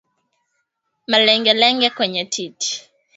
Malengelenge kwenye titi